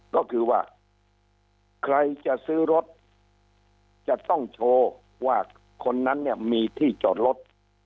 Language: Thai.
ก็คือว่าใครจะซื้อรถจะต้องโชว์ว่าคนนั้นเนี่ยมีที่จอดรถ